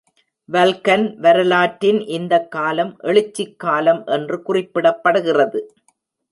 Vulcan வரலாற்றின் இந்த காலம் "எழுச்சிக் காலம்" என்று குறிப்பிடப்படுகிறது.